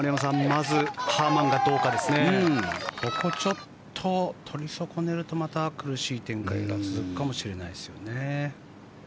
まずハーマンがここちょっと取り損ねるとまた苦しい展開が続くかもしれないですね。